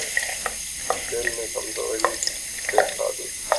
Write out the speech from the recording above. دل نے کمزوری دکھا دی۔